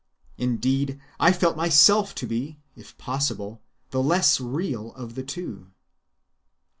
Indeed, I felt myself to be, if possible, the less real of the two.